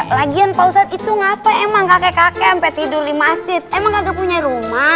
lagian pak ustadz itu ngapain emang kakek kakek sampai tidur di masjid emang agak punya rumah